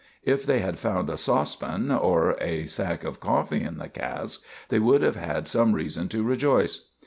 If they had found a saucepan or a sack of coffee in the cask, they would have had some reason to rejoice.